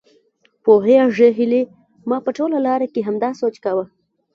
پوهېږې هيلې ما په ټوله لار کې همداسې سوچ کاوه.